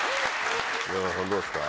宮沢さんどうですか？